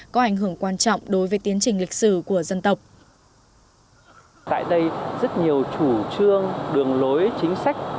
có ảnh hưởng quan trọng đối với tiến trình lịch sử của dân tộc